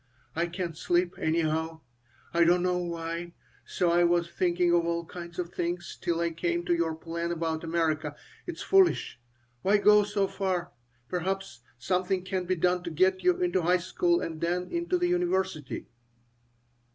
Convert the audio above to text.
I can't sleep, anyhow. I don't know why. So I was thinking of all kinds of things till I came to your plan about America. It is foolish. Why go so far? Perhaps something can be done to get you into high school and then into the university."